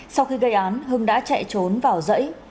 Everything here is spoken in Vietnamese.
sau khi gây án hưng đã chạy trốn vào dãy